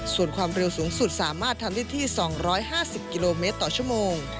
ส่วนความเร็วสูงสุดสามารถทำได้ที่๒๕๐กิโลเมตรต่อชั่วโมง